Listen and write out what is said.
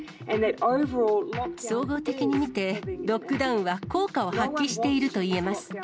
総合的に見て、ロックダウンは効果を発揮しているといえます。